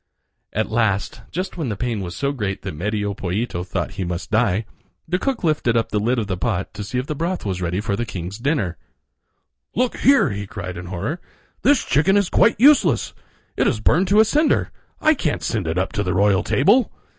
At last, just when the pain was so great that Medio Pollito thought he must die, the cook lifted up the lid of the pot to see if the broth was ready for the king's dinner. "Look here!" he cried in horror, "this chicken is quite useless. It is burned to a cinder. I can't send it up to the royal table."